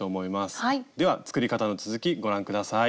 では作り方の続きご覧下さい。